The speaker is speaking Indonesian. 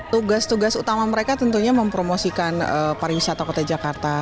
tugas tugas utama mereka tentunya mempromosikan pariwisata kota jakarta